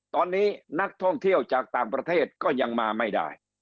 ตอนนี้นักท่องเที่ยวจากต่างประเทศก็ยังมาไม่ได้